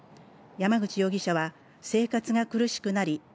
山口容疑者は生活が苦しくなり